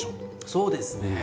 そうですね。